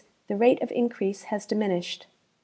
23 rate of increase has diminished.